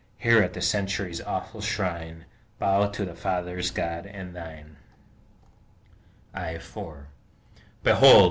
Here, at the Century's awful shrine, Bow to thy Father's God, and thine! I 4 Behold!